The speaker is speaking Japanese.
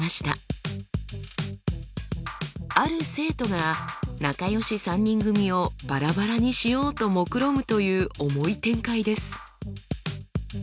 ある生徒が仲良し３人組をバラバラにしようともくろむという重い展開です。